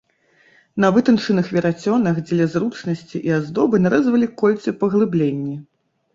На вытачаных верацёнах дзеля зручнасці і аздобы нарэзвалі кольцы-паглыбленні.